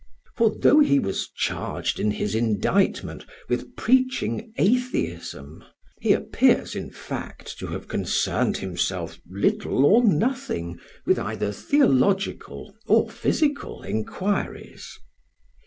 For though he was charged in his indictment with preaching atheism, he appears in fact to have concerned himself little or nothing with either theological or physical inquiries.